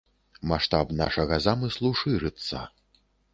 Маштаб нашага замыслу шырыцца.